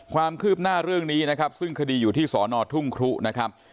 ความคืบหน้าเรื่องนี้นะครับซึ่งคดีอยู่ที่สอนอทุ่งครุนะครับ